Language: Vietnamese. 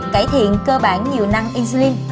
cải thiện cơ bản nhiều năng insulin